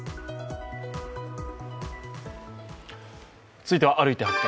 続いては「歩いて発見！